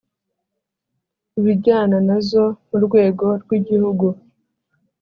ibijyana na zo mu rwego rw Igihugu